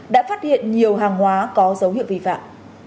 đã phát hiện nhiều hàng hóa có dấu hiệu vi phạm